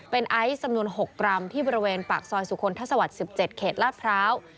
เป็นไอซ์จำนวน๖กรัมที่บริเวณปากซอยสุคลทัศวรรค๑๗เขตลาดพร้าว